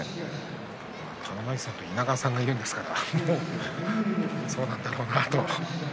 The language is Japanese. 玉ノ井さんと稲川さんが言うんですからそうなんでしょう。